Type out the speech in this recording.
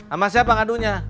amah siapa ngadunya